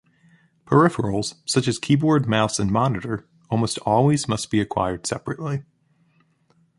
Peripherals, such as a keyboard, mouse and monitor, almost always must be acquired separately.